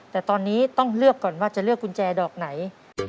แต่ตอนนี้ต้องเลือกก่อนว่าจะเลือกกุญแจดอกไหน